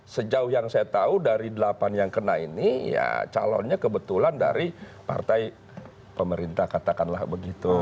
sejauh yang saya tahu dari delapan yang kena ini ya calonnya kebetulan dari partai pemerintah katakanlah begitu